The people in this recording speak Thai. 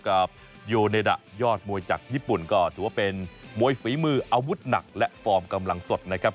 กับโยเนดะยอดมวยจากญี่ปุ่นก็ถือว่าเป็นมวยฝีมืออาวุธหนักและฟอร์มกำลังสดนะครับ